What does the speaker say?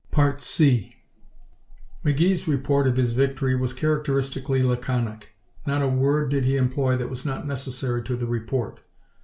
3 McGee's report of his victory was characteristically laconic. Not a word did he employ that was not necessary to the report.